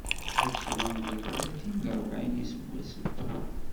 Ad sɛun gar tlatin d rebεin n yiseggasen.